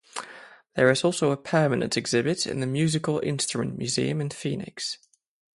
There is also a permanent exhibit in the Musical Instrument Museum in Phoenix.